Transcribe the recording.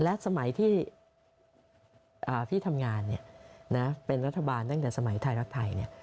และสมัยที่อ่าพี่ทำงานเนี้ยนะเป็นรัฐบาลตั้งแต่สมัยไทยรักไทยเนี้ย